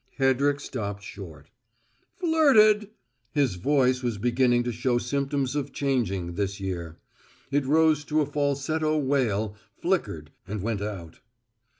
Hedrick stopped short. "`_Flirted_'!" His voice was beginning to show symptoms of changing, this year; it rose to a falsetto wail, flickered and went out.